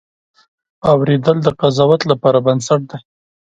اورېدل د قضاوت لپاره بنسټ دی.